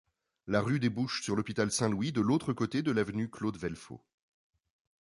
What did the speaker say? La rue débouche sur l'hôpital Saint-Louis, de l'autre côté de l'avenue Claude-Vellefaux.